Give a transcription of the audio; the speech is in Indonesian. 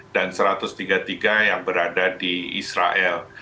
dan satu ratus tiga puluh tiga yang berada di israel